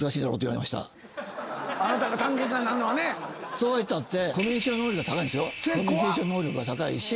そうはいったって。